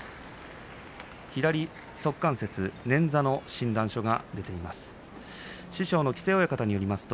左足関節捻挫の診断書が出ています。